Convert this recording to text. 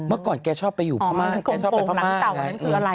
เมื่อก่อนแกชอบไปผ้าหมา